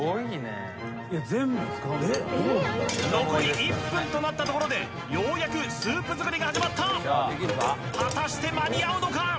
残り１分となったところでようやくスープ作りが始まった果たして間に合うのか？